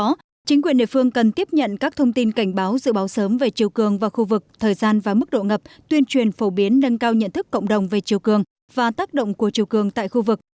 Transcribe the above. trong đó chính quyền địa phương cần tiếp nhận các thông tin cảnh báo dự báo sớm về chiều cường và khu vực thời gian và mức độ ngập tuyên truyền phổ biến nâng cao nhận thức cộng đồng về chiều cường và tác động của chiều cường tại khu vực